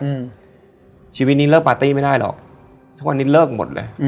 อืมชีวิตนี้เลิกปาร์ตี้ไม่ได้หรอกทุกวันนี้เลิกหมดเลยอืม